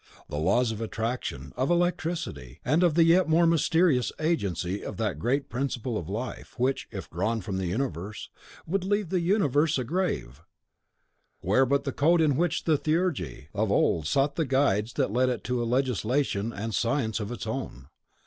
The laws of attraction, of electricity, and of the yet more mysterious agency of that great principal of life, which, if drawn from the universe, would leave the universe a grave, were but the code in which the Theurgy of old sought the guides that led it to a legislation and science of its own.